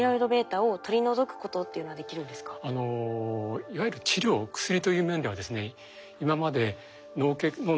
あのじゃあいわゆる治療薬という面ではですね